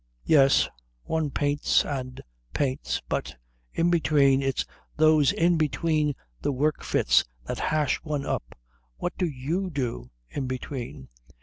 "Yes. One paints and paints. But in between it's those in between the work fits that hash one up. What do you do in between?"